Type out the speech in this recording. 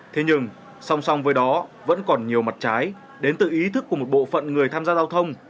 thế nhưng song song với đó vẫn còn nhiều mặt trái đến tự ý thức của một bộ phận người tham gia giao thông